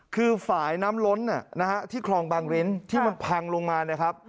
คือฝ่ายน้ำล้นที่คลองบางริ้นที่มันพังลงมานะครับ